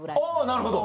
なるほど。